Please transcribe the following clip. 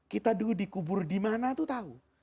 kita dulu dikubur dimana itu tahu